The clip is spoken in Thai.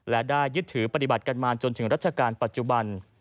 และได้ยึดถือปฏิบัติกันมาจนถึงรัชกาลปัจจุบัน